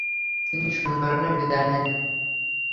তিনি শূন্য রানে বিদায় নেন।